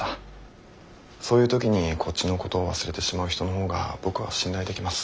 そういう時にこっちのことを忘れてしまう人の方が僕は信頼できます。